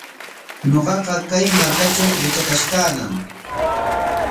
Ñuqaqa kay markatraw yatrakash kaañam.